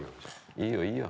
いいよいいよ。